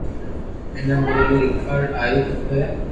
ھين آ ٻولي رآڪارذ ۔ آوي کپي